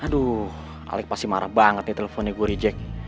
aduh alek pasti marah banget nih teleponnya gue reject